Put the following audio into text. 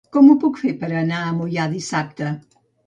Com ho puc fer per anar a Moià dissabte?